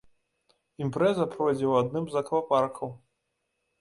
Імпрэза пройдзе ў адным з аквапаркаў.